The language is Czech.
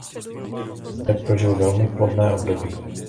Zde prožil velmi plodné období.